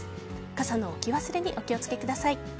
傘の置き忘れにお気を付けください。